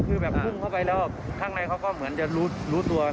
คือแบบพุ่งเข้าไปแล้วข้างในเขาก็เหมือนจะรู้ตัว